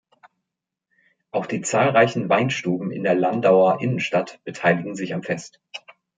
Auch die zahlreichen Weinstuben in der Landauer Innenstadt beteiligen sich am Fest.